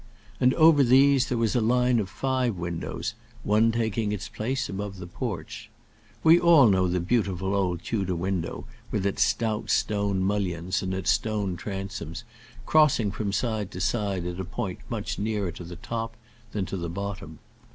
And over these there was a line of five windows, one taking its place above the porch. We all know the beautiful old Tudor window, with its stout stone mullions and its stone transoms, crossing from side to side at a point much nearer to the top than to the bottom.